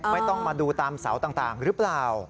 ไม่ต้องมาดูตามเสาต่างหรือเปล่า